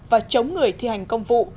và chống người thi hành công vụ